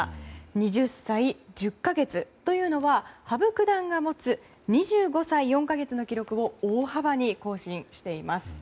２０歳１０か月というのは羽生九段が持つ２５歳４か月の記録を大幅に更新しています。